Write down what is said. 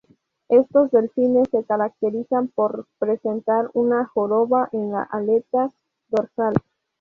Estos delfines se caracterizan por presentar una joroba en la aleta dorsal.